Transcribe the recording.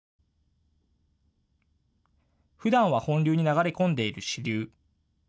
ふだんは本流に流れ込んでいる支流。